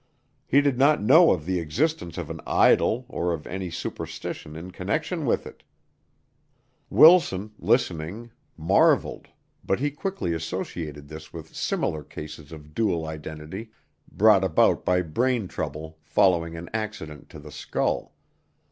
He did not know of the existence of an idol or of any superstition in connection with it. Wilson, listening, marveled, but he quickly associated this with similar cases of dual identity brought about by brain trouble following an accident to the skull.